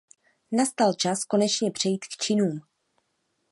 Nastal čas konečně přejít k činům.